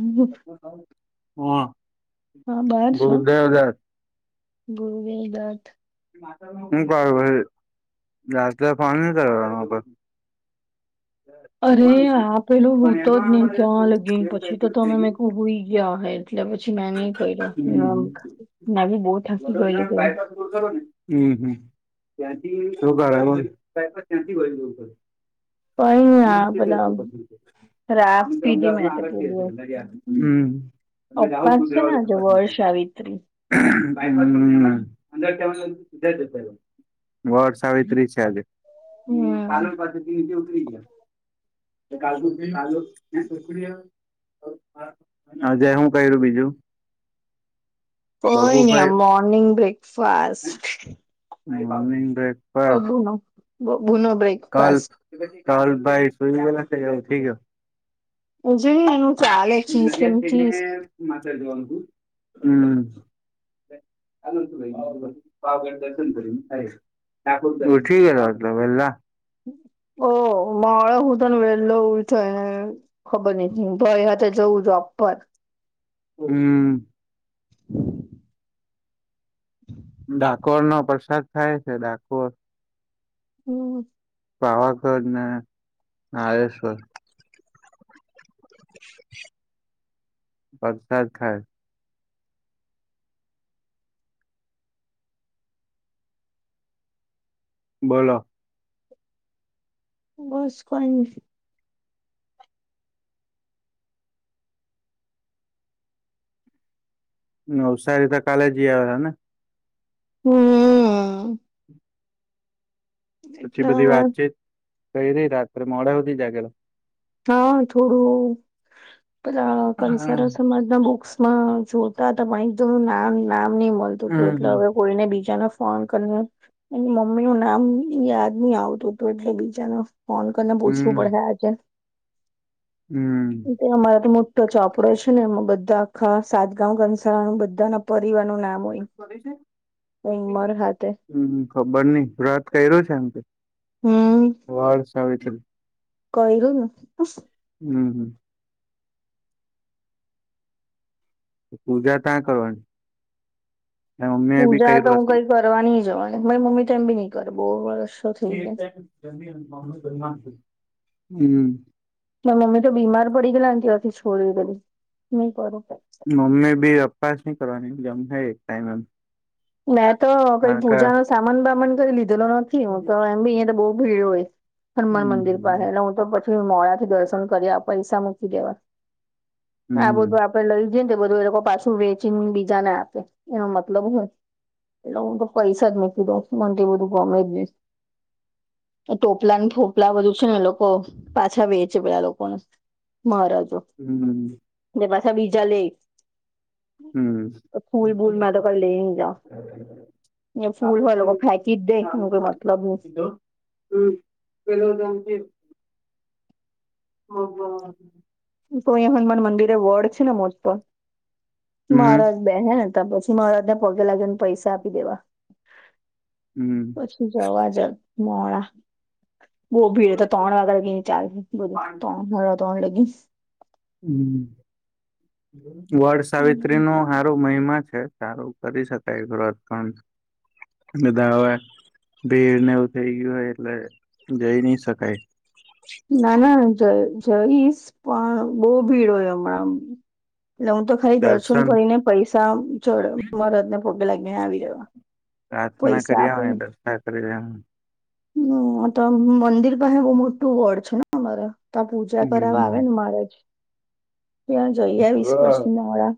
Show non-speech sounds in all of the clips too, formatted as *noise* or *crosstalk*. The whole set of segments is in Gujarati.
હા બાર છો? *inaudible* હું કરું પછી *unintelligible* અરે આ પેલું હું તો જ નઈ ક્યા લગી ને પછી તો તમે મેં કુ હોઈ ગયા હે એટલે પછી ના ની કયરો ના ભી બો થાકી ગય તો *inaudible* કઈ *unintelligible* ની હમ આ *inaudible* પેલા *inaudible* રાખ પીધી મેં તો પેલું અપાસ છે ને આજે વર્ષ સાવિત્રી વડ સાવીત્રી છે, આજે હમ કાલે પાસે ઉતરી ગયા કાજુ બિન આ પ્રક્રિયા આજે હું કર્યું બીજું કોઈ ની આ બબુભાઈ મોર્નિંગ બ્રેકફાસાસ્ટ *inaudible* બબૂનો બબૂનો બ્રેક કાલ કાલ ભાઈ શુઈ ગેલા છે કે ઉઠી ગયો હજુ એનું ચાલે કીસ એમ કીસ હમ. *unintelligible* પાવાગઢ દર્શન કરી ઉઠી ગેલા આટલા વેલા ઓહ માળ હું તોને વેળલો ઉ ખબરની હું ભાઈ હાથે જવું જોબ પર હમ. *inaudible* *inaudible* ડાકોરનો પ્રસાદ થાય છે, ડાકોર હમ. પાવાગઢને માળેશ્વર પ્રરસાદ ખાય બોલો. બસ કયની નવસારી તો કાલે જી આવેલાને હમ. પછી એટલે બધી હવે વાતચીત કરી રહી રાત્રે મોડા સુધી જાગેલો હા થોડું પેલા હમ કંસારા સમાજ ના બુકસ જોતા હતા પણ એકદમ નામ નામ ની મળતું હતું એટલે હમ હવે કોઈને બીજાના ફોન કરીને એની મમ્મીનું નામ યાદ ની આવતું હતું એટલે બીજાના ફોન કરીને પૂછવું પડ હે આજે હમ. અમારા તો મોટો ચોપડો છે ને એમાં બધા આખા સાતગાવ કંસારા નું બધા ના પરિવાર નું નામ હોય હમ ઉમર હાથે હમ ખબર નઈ વ્રત કર્યો છે એમ કેય હા. વડ સાાવિત્રી કોઈ *unintelligible* નથી. હમ હમ. પૂજા કયા કરવાની. મમ્મી એ બી પૂજા તો કર્યું હું હશે કઈ કરવા ની જવાની મારી મમ્મી તો એમ બી ની કરે બો વર્ષ હમ. મારી મમ્મી તો બીમાર પડી ગયેલા ને ત્યારથી છોડી દીધેલું ની કરુ. મમ્મી ભી અપવાસ ની કરવાની જમહે એક ટાઈમ એમ મેં તો કઈ કારણ કે પૂજા નો સામાન બામાન કઈ લીધેલો નથી હું તો એમ બી અહિયા તો બો ભીડ હોય હનુમાન મંદિર હમ પાહે ને હું તો પછી મોડા થી દર્શન કર્યા પૈસા મૂકી દેવા અને આ હમ બધું આપળે લઈ જઈને તે બધું એ લોકો પાછું વેચીને બીજા ને આપે એનો મતલબ હોય એટલે હું તો પૈસા જ મુકી દઉં મને તો એ બધું ગમે જઈ ની. ટોપલા ને ફોપલા બધું છે ને એ લોકો પાછા વેચે પેલા લોકોને મારે તો હમ. ને પાછા બીજા લે હમ ફૂલ બુલ મેં તો કઈ લેઈ ની જાવ. *inaudible* ફૂલ હોય એ લોકો ફેંકી જ દે એનો કોઈ મતલબ ની. હમ પલો *unintelligible* હમ. તો અહીયા હનુમાન મંદિરે વડ છે ને મોટો મહારાજ બેહે ને તા પછી મહારાજને પગે લાગી ને પૈસા આપી દેવા. હમ. જવા જ મોડા. બહુ ભીડ એ તો ત્રણ વાગ્યા લગી ચાલહે બધું ત્રણ હાડા ત્રણ લગી. હમ વડ સાવિત્રી નો આ સાર મહિમા છે સારું કરી શકાય વ્રત પણ બધા હવે ભીડને એવું થઇ ગયું હોય એટલે જઈ ના શકાય. ના ના જ જઈશ પણ બહુ ભીડ હોય હમણાં. એટલે હું તો ખાલી દર્શન કરીને પૈસા ચઢાવું મહારાજને પગે લાગીને આવી રેવા. પ્રાર્થના કરીયાવાની દસ્તા કરી લેવાની હમ તો મંદિર પાહે બો મોટું વડ છે અમારા ત્યા પૂજા કરાવવા આવે હમ ને મહારાજ ત્યાં જઈ આવીશ પછી મોળા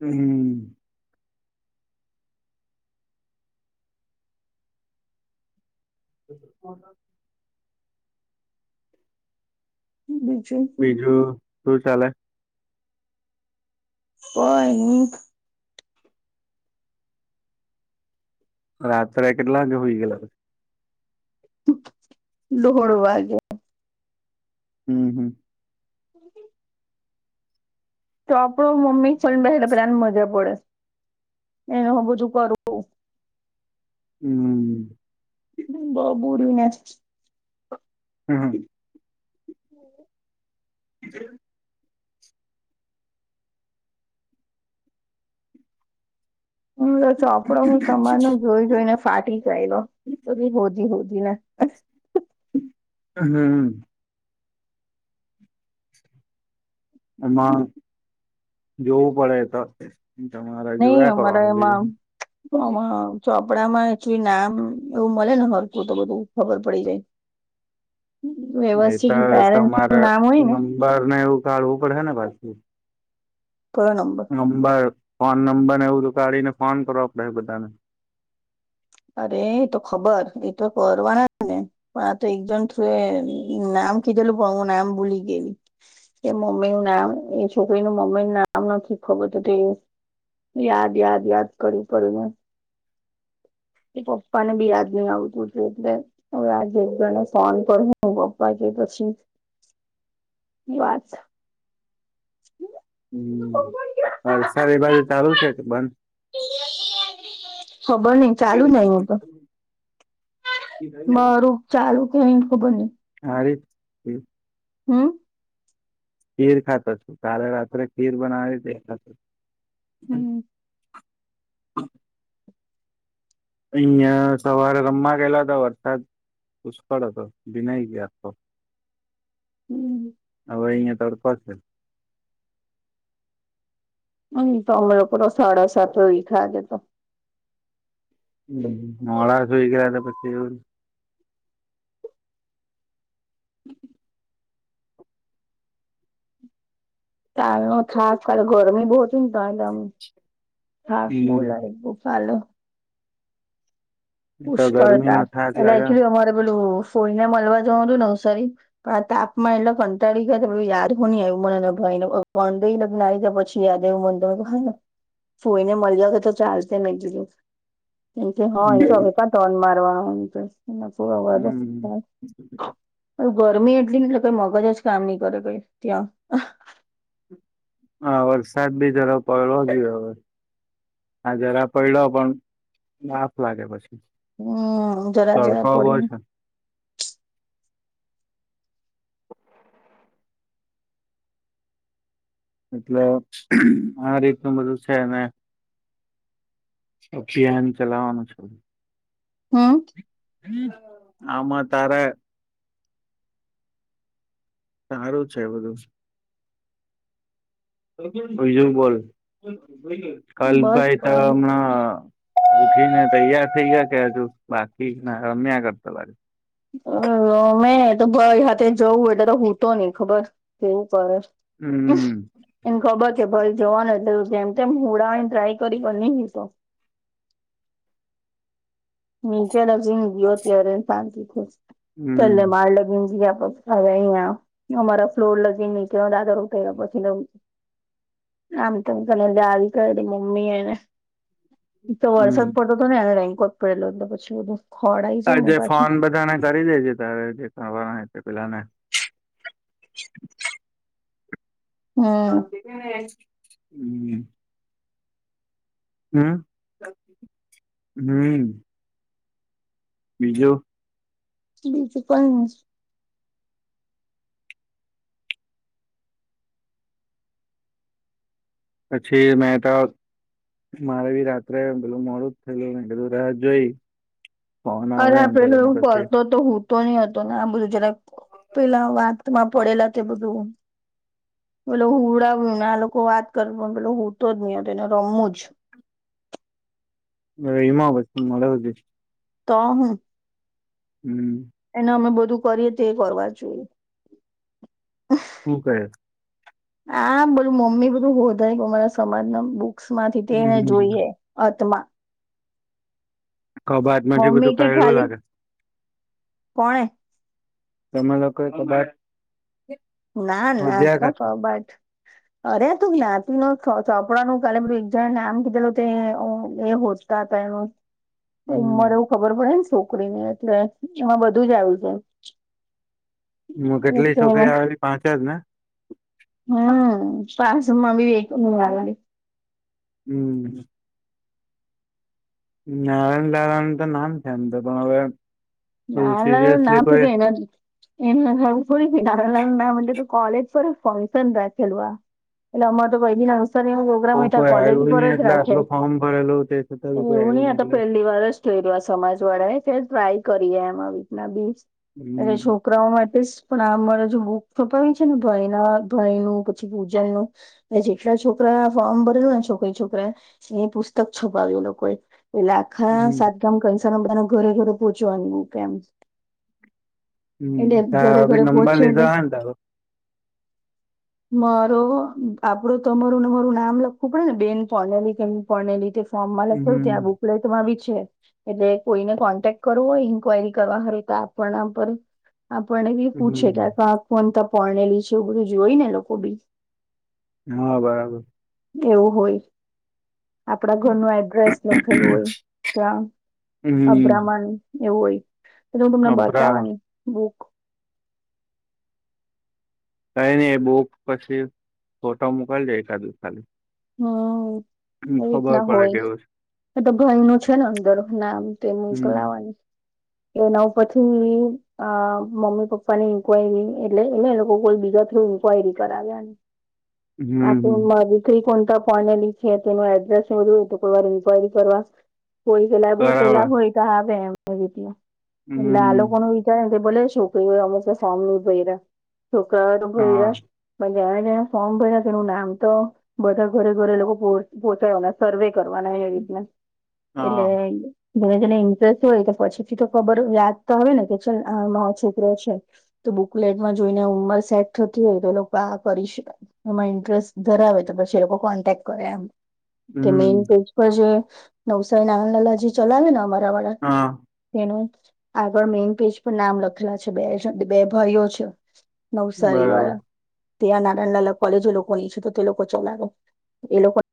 હમ. *inaudible* બીજું બીજું શું ચાલે. કંઈની રાત્રે કેટલા વાગે હુય ગયલા પછી. દોઢવાાગે. હમ હમ. *inaudible* તો પણ મમ્મી *unintelligible* બેહે એટલે પેલાને મજા પડે એને હો બધું કરું હમ. બ બુરવી નાસ. હા. *inaudible* હ હમ્મ લો ચોપડો ભી સમાન એ જોઈ જોઈને ફાટી જાય એલો. તો બી હોજી હોજી ને. હમ્મ. એમાં જોવું પડે તો તમારે નહી જોયા અમારા કરવાનું બીજું એમાં હું. આમાં ચોપડામાં એકચલી નામ એવું મળે ને હરકું તો બધું ખબર પડી જાય. વ્યવસ્થિત પેરેન્ટસ નું નામ હોય ને બાર ને એવું કાઢવું પડે ને પાછી. થોડા નંબર. નંબર ફોન નંબરને એવું તો કાઢીને ફોન કરવા પડે બધાને. અરે એ તો ખબર એ તો કરવાનાજ ને. પણ આ તો એક દમ થ્રુ એ નામ કીધેલું પણ હું નામ ભૂલી ગયેલી. એ મમ્મી નું નામ એ છોકરી નું મમ્મી નું નામ નથી ખબર હતું તો એવું યાદ યાદ યાદ કરું કરું એ એ પપ્પાને બી યાદ નહી આવતું તું એટલે હવે આ બધા ને ફોન કર હ હું પપ્પા કે પછી વાત. અહ સારી બારી ચાલુ છે કે બંધ? ખબર નહીં. ચાલુ નહીં હું તો. મારું ચાલુ કે અહી ખબર નઈ. હારી એ હમ્મ. ખીર ખાતો છું કાલે રાત્રે ખીર બનાવી થી એ ખાતું. હમ્મ. અહિયાં સવારે રમવા ગયેલા હતા વરસાદ પુષ્કળ હતો ભીનય ગયા હતો. હમ્મ હમ્મ. હવે અહીંયા તડકો છે. અની તો અમે લોકો તો સાડા સાત વી ખાજે તો. મોહમ્મ હાડા શોઈગયા થા પછી હ તાલ ના ખાસ કર ગરમી બહુ શું કાલ આમ થાક બો લા બુ ફાલો. તો પુષ્કળ ત ગરમી નો થાક એટલે લાગે એકચુલી અમારે પેલું ફોઇને મળલવા જવા હતું નવસારી. પણ આ તાપમા એટલા કંટાળી ગયા થા પાહિ યાદવું ન આવ્યું મનેને ભાઈ *unintelligible* જે યાદે મન દો હોઈને ફોઈને મળી જ તો ચાલ તો મેં કીધું એ કે હા એ તો હૈ. તા ટોન મરવાના હમ હોઈ *unintelligible* ઊં ગરમી એટલી ને એટલે કઈ મગજ જ કામ નઈ કરે કઈ ત્યાં. હા, વરસાદ બી જરા પડો જોયો હવે. હા જરા પૈલો પણ બાફ લાગે પછી. હા, જરા જરા તડકો બો પડીમ. છે એટલે આ રીતનું બધું છે ને અભિયાન ચલાવાનું છે. હમ્મ. આમાં તારે સારું છે બધું. બીજું બોલ બસ કલપભાઈ તો હમણાં ઉઠી ને તૈયાર થઇ ગયા કે હજુ બાકી રમ્યા કરતા બા હ મેં તો ભાઈ હથે જવું એટલે તો હું તો નહી ખબર કેવું કરડે હમ એને ખબર છે ભલે જોવાનું એટલે જેમ તેમ હુડાાવને ટ્રાય કરી બની તો ની ક્યા લજ હોતીય પા ખુશ હમ ચલે માળ લગીી હવે અહિયાં અમારા ફ્લોર લગીન નીચ દાદર ઉઠ પછી લવ આમ તો કને દાદી કર મમ્મી એ ને એક તો હમ વરસાદ પડતો હતો ને એને રેન્કો જ પડેલો પછી બધું ખળ આઈ જાય ને પાછી તારી જે છે તારે જે કરવાના તે પેલાને હમ ત હમ હમ બીજું બીજું કોઈ પછી મેં તો મારે બી રાત્રેમ પેલું મોડું જ થયેલું પેલું રાત જોઈ ફન હ અરે આ એમ પેલું કરીને એવું પછી કરતો તો હું તો નહ હતો ને આ બધું જરા પેલા વાતમાં પડેલા તે બધું પેલો હુડાવ્યુંને આ લોકો વાત કર પણ પેલો હુંડ તો જ નઈ એને રમવું જ હ હમા બસ મળ વધી તો હ હમ એને અમે બધું કરીએ તે કરવા જોઈએ હું ક હા બધું મમ્મી બધું હોધાય અમારા સમાજ ના બુક્સમાંથી તેને જોઈએ અ તોમાં ક બાાત માંથી મમ્મી બધું કે કલું ખાલી લાગે કોણે તમે લોકો તો બાત ના ના તો કરતા સબ જ અરે તું જ્ઞાતિ ન ચોપડાનુંું કાલેધું એક જણ નામ કીધેલું તે એ હોત હતા એનું હમ મરે એવું ખબર પડે ને શું છોકરીને એટલે એમાં બધું જ આવ્યું છે હું કેટલી છોકરી આવી પાંચ્યા જ ને હમ પાસમાં બી વ હમ નારાયણ દાું તો નામ છે એમ તો પણ હવે ના ના સિરિયસલી નાપ કોઈ એના એ થોડી ના તો ક કોલેજ પર ફંક્શન રહે ખલવા એટલે અ તો બઈ દને અવસ કોઈ કોલેજ આવ્યું પર નહી જ એટલે રાખે આટલું ફોર્મ ભરેલું તે છતાં બી કોઈ એવું આવ્યું નહી આ તો એટલે પેલી વારસ જોઈ સમાજ વાળા એ ફેર ટ્રાય કરીએ એમ રીતના બીસ એલે હમ છોકરાઓ માટે પણ અમારે જો બુક છપાવી છે ને ભાઈના ભય ન પછી ભૂજનનુંું જેટલા છોકરા ફોર્મ ભરેલ ને છોકરી છોકરા એની પુસ્તક છપાવ્યું લોકોએ એટલે આખા હમ સાત ગામ કંસા બધાને ઘરે ઘરે પહોચવાની કેમ હમ એને ઘરે તા બી ઘરે નંબર પહોંચેને લીધા હે ને તારો મારો આપડું તમારું ને મારું નામ લખવું પડે ને બેન પોનેલી કેમ પોનેલી સમ લ થું હમ ત્યાં બુકલેેટમાં બી છે એટલે કોઈને કોન્ટેક કરવું હોય ઇન્ક્વાયરી કરવા ખરે તો આપણા પર આપણને બી પૂછે હમ કે ફનતા પોર્ણેલી છે એવું બધું જોય ને લોકો બી હા બરાબર એવું હોય આપડા ઘરનું એડ્રેસ લખેલું હોય ત્યાં હમ અબ્રમન એવું હોય તોલે હું તમને અભરાવા બતાવાની બુક કઈ નને એ બુક પછી ફોટો મોકલજો એકાદિવ ખાલી હા ખબર પડે કેવું છે એ તો ભાઈ ન છે ને અંદર નામ તે હમ મોકલાવાનું એના પછી મમ્મી પપ્પા ની ઇન્કવાયરી એટલે એને એ લોકો કોઈ બીજા થયું કયરી કરાવ્યા હમ આપે હમ ઉરી સ્ત્રી કોતા પોલી છે તો એનું એડ્રેસ જોય તો કોઈ વાર ન્ક્વાયરી કરવા હોઈ પેલા બહ બરાબર પેલા હોોયીુંલેાલ હમ કોણ ક ભો છોકરીઓમ સામની ભય છોકરાઓ હા ભય રહ પણ જ્યા જ્યા ફોર્મ ભર્યા તેનું નામ તો બધા ઘરે ઘરે લોકો પોહોંચાવાના સર્વે કરવાના એ રી હા એટલે જેમે તેને ઇન્ટરેસ્ટ હોય તો પછી થી તો ખબર યાદ તો હવે ને કે ચ આ છોકરો છે તો બુકલેટમાં જોઈને ઉંમર સેટ થતી હોય તો એ લોકો આ કરી શકાય એમાં ઇન્ટરેસ્ટ ધરાવે તો પછી એ લોકો કોન્ટેક કરે એમ તે હમ મેન જે નવસારી નાંગલાલાજી ચલાવે ને અમારા વળ હા તેનું આગળ મેઈન પેજ પર નામ લખેલા છે બે બે ભાઈઓ છે નવસારી બરાબર વાળા ત્યાં નાના નાના કોલેજો લોકોની છે તો તે લોકો ચલાો એ લોકો